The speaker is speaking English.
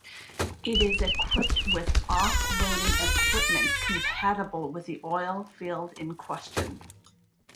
It is equipped with off-loading equipment compatible with the oil field in question.